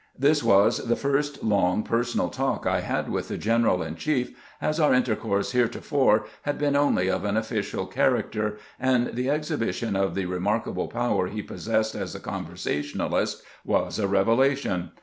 This was the first long personal talk I had with the general in chief, as our intercourse heretofore had been only of an official character, and the exhibition of the remarkable power he possessed as a conversationalist 30 CAMPAIGNING WITH GEANT was a revelation.